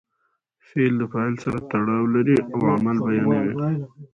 فعل د فاعل سره تړاو لري او عمل بیانوي.